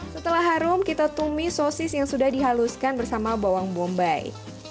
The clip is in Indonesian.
setelah harum kita tumis sosis yang sudah dihaluskan bersama bawang bombay